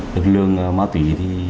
lực lượng ma túy